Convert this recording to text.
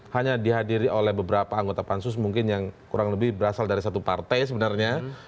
hanya dihadiri oleh beberapa anggota pansus mungkin yang kurang lebih berasal dari satu partai sebenarnya